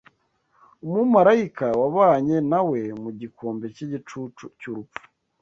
umumarayika wabanye na we mu gikombe cy’igicucu cy’urupfu